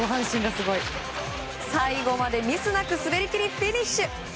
最後までミスなく滑り切りフィニッシュ。